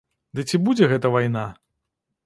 Ды ці будзе гэта вайна?